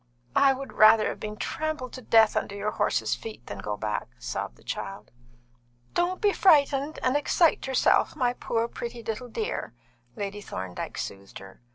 "I would rather have been trampled to death under your horses' feet than go back!" sobbed the child. "Don't be frightened and excite yourself, my poor, pretty little dear," Lady Thorndyke soothed her.